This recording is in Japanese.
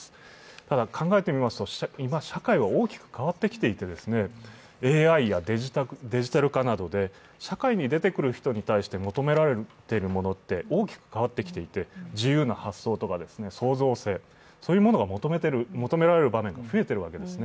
ただ、考えてみますと今、社会は大きく変わってきていてＡＩやデジタル化などで社会に出てくる人に対して求められているものは大きく変わってきていて、自由な発想とか創造性というものが求められる場面が増えているわけです。